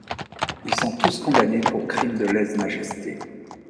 Ils sont tous condamnés pour crime de lèse-majesté.